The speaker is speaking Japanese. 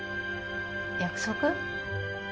約束？